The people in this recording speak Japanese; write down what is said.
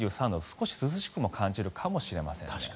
少し涼しくも感じるかもしれません。